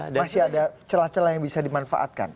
masih ada celah celah yang bisa dimanfaatkan